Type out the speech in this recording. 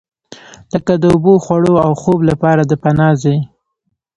لکه د اوبو، خوړو او خوب لپاره د پناه ځای.